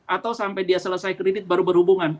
atau sampai dia selesai kredit baru berhubungan